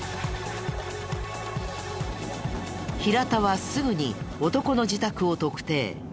平田はすぐに男の自宅を特定。